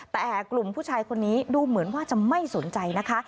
แต่กลุ่มผู้ชายคนนี้ดูเหมือนว่าจะไม่สนใจนะคะ